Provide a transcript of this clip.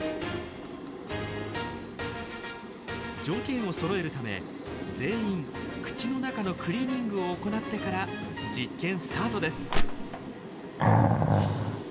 条件をそろえるため全員口の中のクリーニングを行ってから実験スタートです。